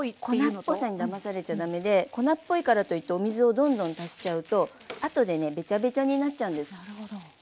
粉っぽさにだまされちゃ駄目で粉っぽいからといってお水をどんどん足しちゃうとあとでねべちゃべちゃになっちゃうんです。